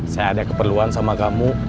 saya ada keperluan sama kamu